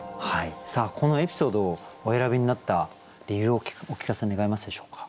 このエピソードをお選びになった理由をお聞かせ願えますでしょうか。